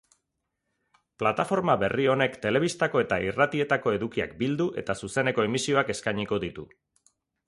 Plataforma berri honek telebistako eta irratietako edukiak bildu eta zuzeneko emisioak eskainiko ditu.